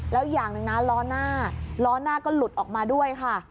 แล้วอย่างหนึ่งนะล้อหน้าล้อหน้าก็หลุดออกมาด้วยค่ะ